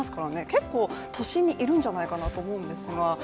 結構、都心にいるんじゃないかなと思うんですが。